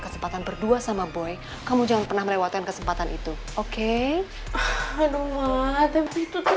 kesempatan berdua sama boy kamu jangan pernah melewati kesempatan itu oke aduh tapi itu tuh